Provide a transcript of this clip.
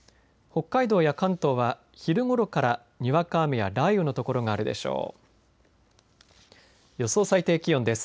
北海道や関東は昼ごろから、にわか雨や雷雨の所があるでしょう。